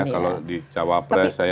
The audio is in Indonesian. kalau di cawa press saya